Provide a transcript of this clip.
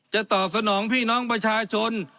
ตอบสนองพี่น้องประชาชน